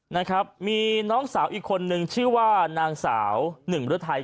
นะครับมีน้องสาวอีกคนนึงชื่อว่านางสาวหนึ่งฤทัย